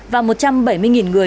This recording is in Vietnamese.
và một trăm bảy mươi người